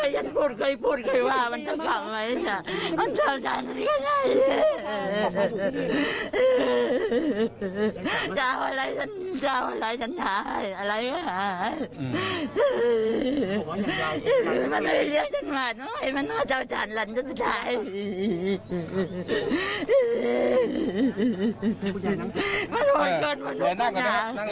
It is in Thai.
อย่าน้องก่อนอย่าน้องก่อนอย่าน้องก่อนนะ